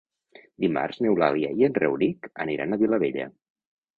Dimarts n'Eulàlia i en Rauric aniran a Vilabella.